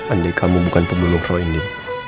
andi kamu bukan pembunuh roy ini